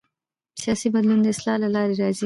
سیاسي بدلون د اصلاح له لارې راځي